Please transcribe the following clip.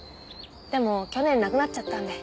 でも去年亡くなっちゃったんで。